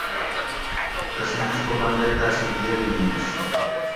تسیں اِشپو بندئی تاۤس کہ گیل نِئینش